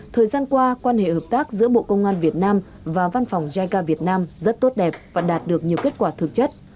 thời gian qua quan hệ hợp tác giữa bộ công an việt nam và văn phòng jica việt nam rất tốt đẹp và đạt được nhiều kết quả thực chất